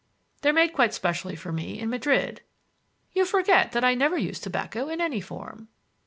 They're made quite specially for me in Madrid." "You forget that I never use tobacco in any form."